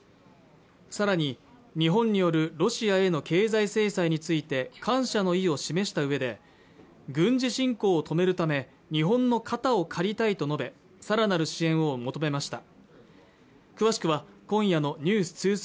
さらに日本によるロシアへの経済制裁について感謝の意を示したうえで軍事侵攻を止めるため日本の肩を借りたいと述べさらなる支援を求めました